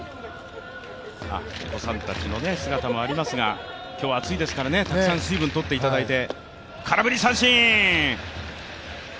お子さんたちの姿もありますが、今日は暑いですからねたくさん水分をとっていただいて。